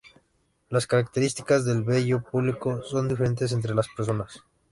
Las características del vello púbico son diferentes entre las personas.